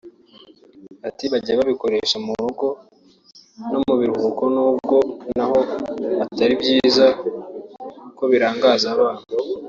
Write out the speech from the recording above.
Ati “Bajya babikoresha mu rugo no mu biruhuko nubwo naho atari byiza ko birangaza abana